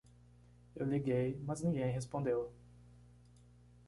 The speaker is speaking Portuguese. Eu liguei, mas ninguém respondeu.